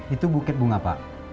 itu bukit bunga pak